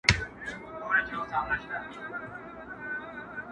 له کښتۍ سره مشغول وو په څپو کي!.